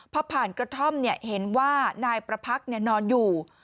พอผ่านกระท่อมเห็นว่านายประพักษ์นอนอยู่